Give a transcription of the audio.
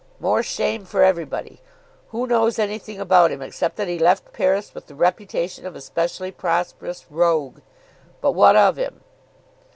"More shame for everybody. Who knows anything about him, except that he left Paris with the reputation of a specially prosperous rogue? But what of him?"